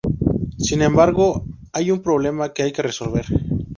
Sin embargo hay un problema que hay que resolver.